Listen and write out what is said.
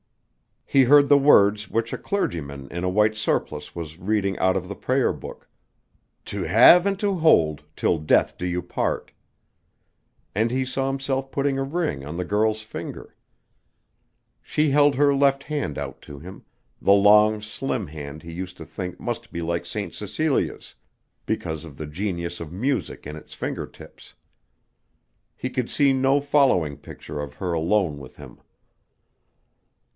He heard the words which a clergyman in a white surplice was reading out of the prayer book. "To have and to hold, till death do you part." And he saw himself putting a ring on the girl's finger. She held her left hand out to him the long, slim hand he used to think must be like St. Cecilia's, because of the genius of music in its finger tips. He could see no following picture of her alone with him.